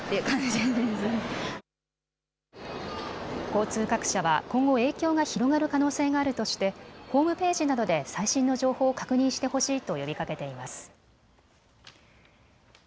交通各社は今後、影響が広がる可能性があるとしてホームページなどで最新の情報を確認してほしいと呼びかけています。